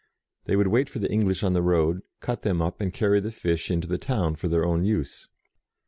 They would wait for the English on the road, cut them up, and carry the fish into the town for their own use.